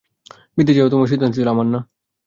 বিদেশ যাওয়া তোমার সিদ্ধান্ত ছিল, আমার না।